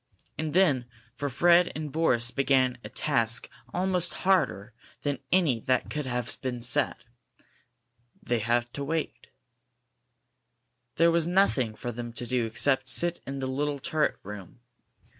And then for Fred and Boris began a task almost harder than any that could have been set. They had to wait. There was nothing for them to do except sit in the little turret room.